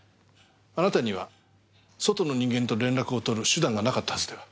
あなたには外の人間と連絡を取る手段がなかったはずでは？